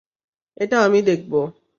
এটা আমি দেখব।